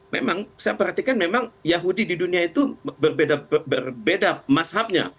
memang saya perhatikan memang yahudi di dunia itu berbeda mashabnya